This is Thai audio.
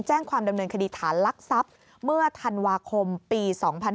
แจ้งความดำเนินคดีฐานลักทรัพย์เมื่อธันวาคมปี๒๕๕๙